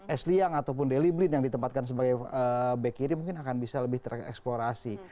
es liang ataupun deliblin yang ditempatkan sebagai back kiri mungkin akan bisa lebih tereksplorasi